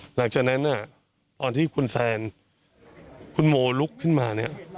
หลังจากนั้นตอนที่คุณแซนคุณโมลุกขึ้นมาเนี่ย